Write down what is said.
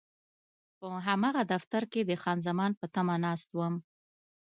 په هماغه دفتر کې د خان زمان په تمه ناست وم.